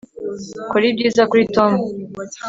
kora ibyiza kuri tom